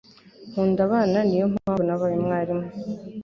Nkunda abana. Niyo mpamvu nabaye umwarimu.